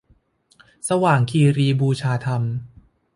สว่างคีรีบูชาธรรม